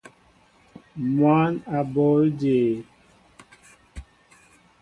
Mwăn a bǒl jě ?